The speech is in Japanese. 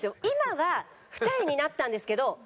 今は二重になったんですけど。